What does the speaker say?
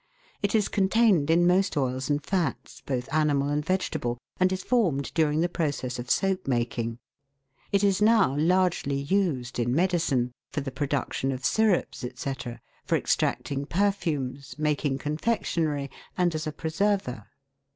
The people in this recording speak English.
It is contained in most oils and fats, both animal and vegetable, and is formed during the process of soap making. It is now largely used in medicine, for the pro duction of syrups, &c., for extracting perfumes, making confectionery, and as a preserver.